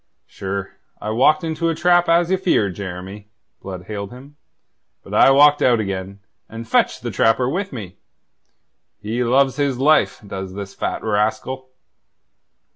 "Sure, I walked into a trap, as ye feared, Jeremy," Blood hailed him. "But I walked out again, and fetched the trapper with me. He loves his life, does this fat rascal."